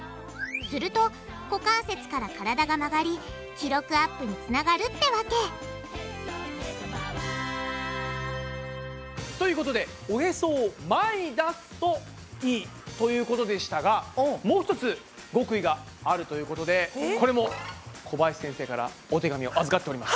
すると股関節から体が曲がり記録アップにつながるってわけということでおヘソを前に出すといいということでしたがもう一つ極意があるということでこれも小林先生からお手紙を預かっております。